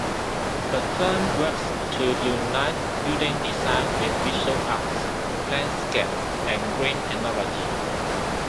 The firm works to unite building design with visual art, landscape, and green technology.